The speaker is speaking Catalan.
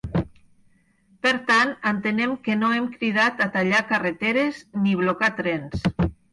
Per tant, entenem que no hem cridat a tallar carreteres ni blocar trens.